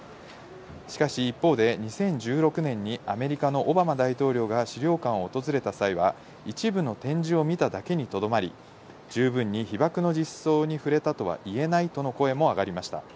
しかし一方で、２０１６年にアメリカのオバマ大統領が資料館を訪れた際は、一部の展示を見ただけにとどまり、十分に被爆の実相に触れたとは言えないとの声もあがりました。